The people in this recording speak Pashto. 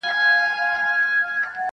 ستا زامن چي د میدان پهلوانان دي-